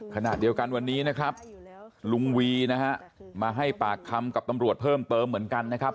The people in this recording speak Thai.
ขณะเดียวกันวันนี้นะครับลุงวีนะฮะมาให้ปากคำกับตำรวจเพิ่มเติมเหมือนกันนะครับ